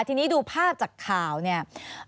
ทีนี้ดูภาพจากข่าวเนี่ย